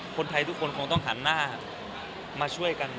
คนไทยทุกคนคงต้องหันหน้ามาช่วยกัน